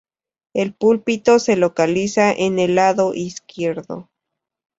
El púlpito se localiza en el lado izquierdo.